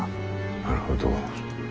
なるほど。